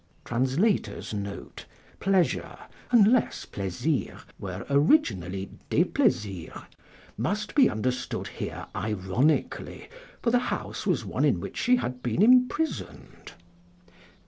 [Pleasure unless 'plaisir' were originally 'deplaisir' must be understood here ironically, for the house was one in which she had been imprisoned.